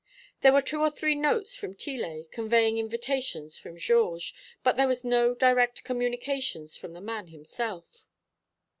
There were two or three notes from Tillet conveying invitations from Georges, but there was no direct communication from the man himself."